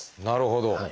なるほど。